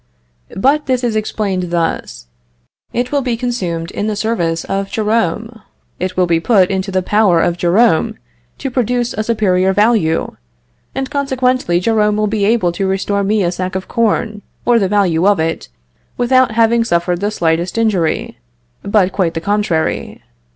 But this is explained thus: It will be consumed in the service of Jerome. It will put it into the power of Jerome to produce a superior value; and, consequently, Jerome will be able to restore me a sack of corn, or the value of it, without having suffered the slightest injury; but quite the contrary.